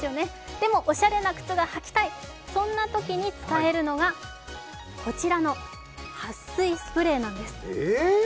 でも、おしゃれな靴が履きたい、そんなときに使えるのがこちらのはっ水スプレーなんです。